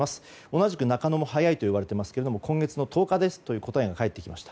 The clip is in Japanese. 同じく中野も早いといわれていますけれども今月の１０日ですという答えが返ってきました。